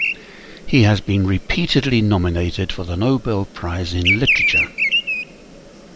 He has been repeatedly nominated for the Nobel Prize in Literature.